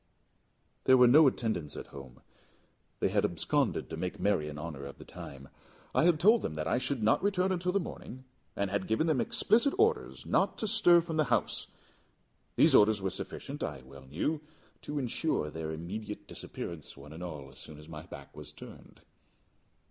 There were no attendants at home; they had absconded to make merry in honour of the time. I had told them that I should not return until the morning, and had given them explicit orders not to stir from the house. These orders were sufficient, I well knew, to insure their immediate disappearance, one and all, as soon as my back was turned.